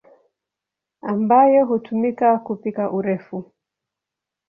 ambayo hutumika kupika urefu.